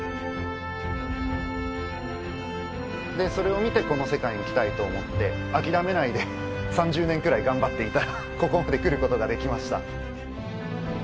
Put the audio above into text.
でそれを見てこの世界に来たいと思って諦めないで３０年くらい頑張っていたらここまで来ることができました。